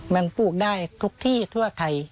มันปลูกได้ทุกที่ทั่วไทย